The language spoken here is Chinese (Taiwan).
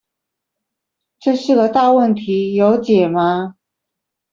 這是個大問題，有解嗎？